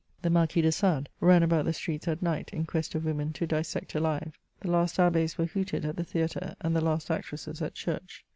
The Marquis de Sade, ran about the streets at night, in quest of women to dissect alive. The last Ahhia were hooted at the theatre, and the last actresses at church.